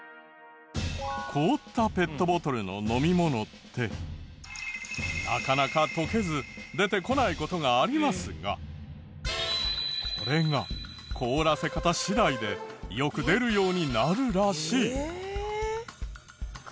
凍ったペットボトルの飲み物ってなかなか溶けず出てこない事がありますがこれが凍らせ方次第でよく出るようになるらしい。